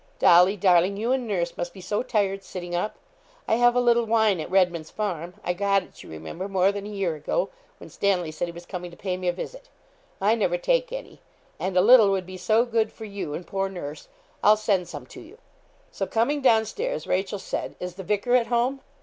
'Dolly, darling, you and nurse must be so tired sitting up. I have a little wine at Redman's Farm. I got it, you remember, more than a year ago, when Stanley said he was coming to pay me a visit. I never take any, and a little would be so good for you and poor nurse. I'll send some to you.' So coming down stairs Rachel said, 'Is the vicar at home?'